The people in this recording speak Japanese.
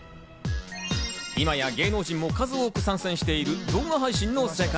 今や芸能人も数多く参戦している動画配信の世界。